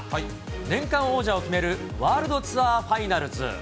年間王者を決めるワールドツアーファイナルズ。